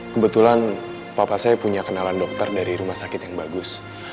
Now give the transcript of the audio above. kebetulan papa saya punya kenalan dokter dari rumah sakit yang bagus